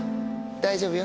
大丈夫よ。